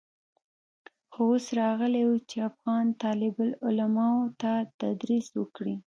خو اوس راغلى و چې افغان طالب العلمانو ته تدريس وکړي.